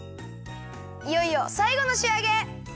いよいよさいごのしあげ！